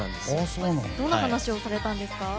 どんな話をされたんですか？